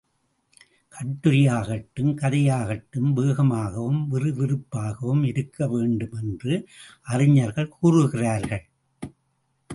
கட்டுரையாகட்டும் கதையாகட்டும் வேகமாகவும் விறுவிறுப்பாகவும் இருக்க வேண்டுமென்று அறிஞர்கள் கூறுகிறார்கள்.